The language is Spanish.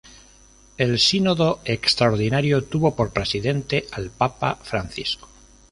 El sínodo extraordinario tuvo por presidente al papa Francisco.